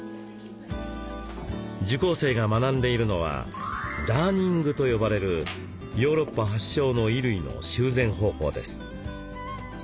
受講生が学んでいるのはダーニングと呼ばれるヨーロッパ発祥の衣類の修繕方法です。